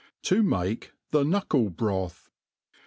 ' To make tbe Knuckle Broib.